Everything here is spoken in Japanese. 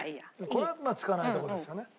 これ使わないところですよね。